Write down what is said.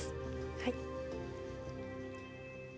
はい。